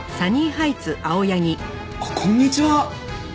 あっこんにちは！